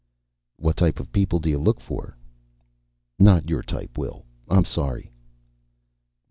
"What type of people do you look for?" "Not your type, Will. I'm sorry."